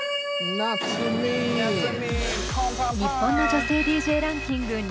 日本の女性ＤＪランキング